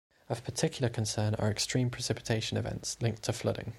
Of particular concern are extreme precipitation events linked to flooding.